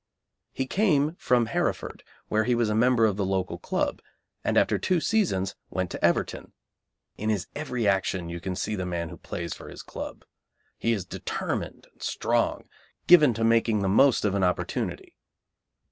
He came from Hereford, where he was a member of the local club, and after two seasons went to Everton. In his every action you can see the man who plays for his club. He is determined and strong, given to making the most of an opportunity.